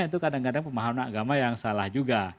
itu kadang kadang pemahaman agama yang salah juga